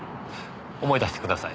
思い出してください。